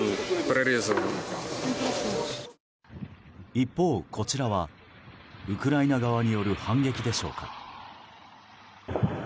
一方、こちらはウクライナ側による反撃でしょうか。